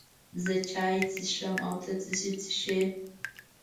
زه چای چکم، او ته څه شی چیکې؟